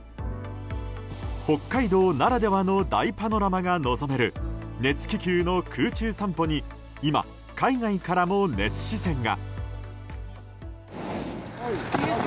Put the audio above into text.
北海道ならではの大パノラマが望める熱気球の空中散歩に今、海外からも熱視線が。